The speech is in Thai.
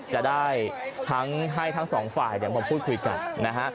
จะได้ทั้งให้ทั้งสองฝ่ายมาพูดคุยกันนะฮะ